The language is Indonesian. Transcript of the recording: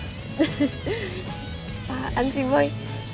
apaan sih boy